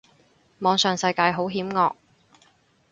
網上世界好險惡